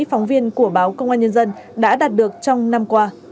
phóng viên của báo công an nhân dân đã đạt được trong năm qua